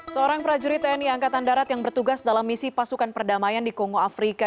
seorang prajurit tni angkatan darat yang bertugas dalam misi pasukan perdamaian di kongo afrika